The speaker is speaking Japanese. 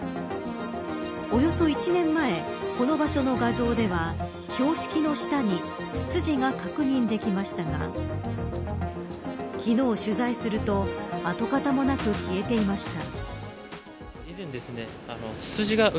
およそ１年前この場所の画像では標識の下にツツジが確認できましたが昨日取材すると、跡形もなく消えていました。